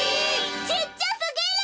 ちっちゃすぎる！